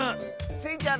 スイちゃん